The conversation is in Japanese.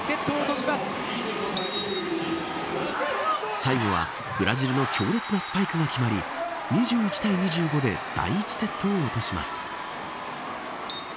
最後は、ブラジルの強烈なスパイクが決まり２１対２５で第１セットを落とします。